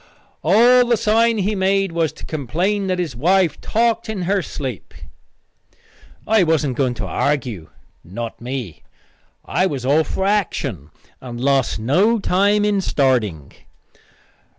"All the sign he made was to complain that his wife talked in her sleep." I wasn't going to argue not me. I was all for action, and lost no time in starting.